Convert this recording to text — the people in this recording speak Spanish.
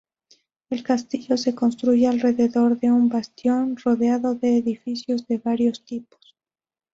El castillo se construye alrededor de un bastión, rodeado de edificios de varios tipos.